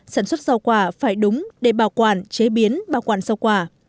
sản xuất rau quả phải đúng để bảo quản chế biến bảo quản rau quả